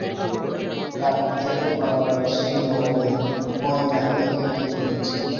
কাঠ থেকে পাওয়া সেই ময়লা থেকে কী পেয়েছ?